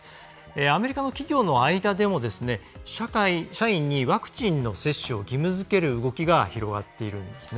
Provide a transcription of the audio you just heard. アメリカの企業の間でも社員にワクチンの接種を義務づける動きが広がっています。